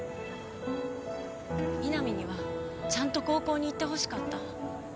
南にはちゃんと高校に行ってほしかった。